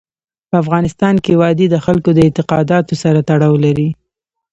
په افغانستان کې وادي د خلکو د اعتقاداتو سره تړاو لري.